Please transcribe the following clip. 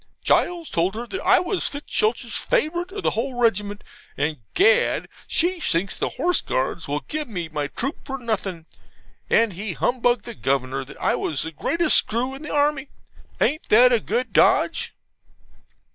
Gules told her that I was Fitzstultz's favourite of the whole regiment; and, Gad! she thinks the Horse Guards will give me my troop for nothing, and he humbugged the Governor that I was the greatest screw in the army. Ain't it a good dodge?'